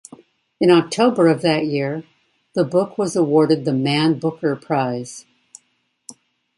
In October of that year, the book was awarded the Man Booker Prize.